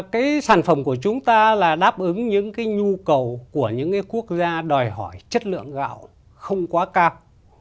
cái sản phẩm của chúng ta là đáp ứng những cái nhu cầu của những cái quốc gia đòi hỏi chất lượng gạo không quá cao